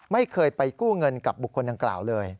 ไม่เคยไปกู้เงินกับบุคคลดังกล่าวเลย